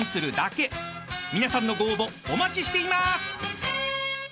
［皆さんのご応募お待ちしています！］